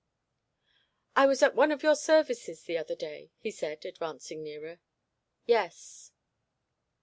'I was at one of your services the other day,' he said, advancing nearer. 'Yes.'